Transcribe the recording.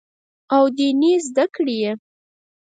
او ديني زدکړې ئې